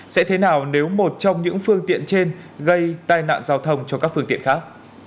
sẽ thế nào nếu một trong những phương tiện trên gây tai nạn giao thông cho các phương tiện khác